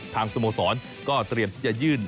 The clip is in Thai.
ทางสมสรรค์ก็เตรียมที่จะยื่น